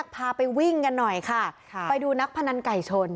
พาไปวิ่งกันหน่อยค่ะไปดูนักพนันไก่ชน